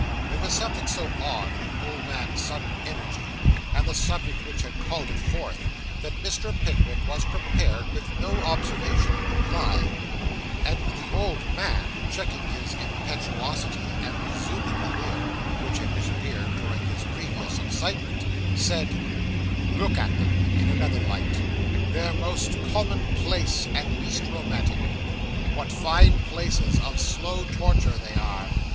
There was something so odd in the old man's sudden energy, and the subject which had called it forth, that Mr. Pickwick was prepared with no observation in reply; and the old man checking his impetuosity, and resuming the leer, which had disappeared during his previous excitement, said 'Look at them in another light their most common place and least romantic. What fine places of slow torture they are!